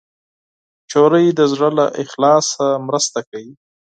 نجلۍ د زړه له اخلاصه مرسته کوي.